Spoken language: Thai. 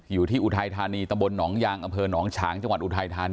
อยู่ที่อุ